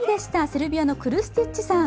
セルビアのクルスティッチさん。